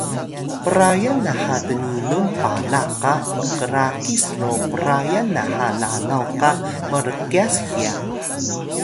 prayan naha tninun pala qa mkrakis ro prayan naha lalaw qa mrkyas hiya